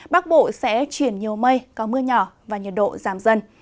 bắc bộ sẽ chuyển nhiều mây có mưa nhỏ và nhiệt độ giảm dần